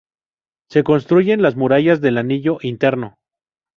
Se construyen las murallas del anillo interno.